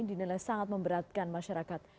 dinilai sangat memberatkan masyarakat